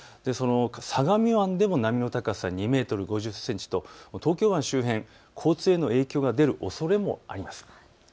相模湾でも波の高さ２メートル５０センチと東京湾周辺、交通への影響が出るおそれもあります。